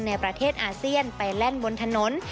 ในประเทศอาเซียนไปแล่นบนถนน